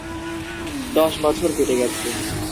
দশ বছর কেটে গেছে।